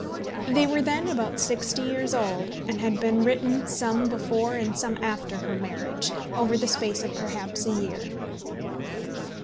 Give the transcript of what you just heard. They were then about sixty years old, and had been written some before and some after her marriage, over the space of perhaps a year.